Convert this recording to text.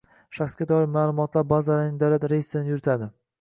Shaxsga doir ma’lumotlar bazalarining davlat reyestrini yuritadi;